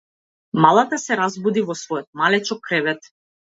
Малата се разбуди во својот малечок кревет.